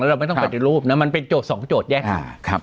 เราไม่ต้องปฏิรูปนะมันเป็นโจทย์สองโจทย์แยก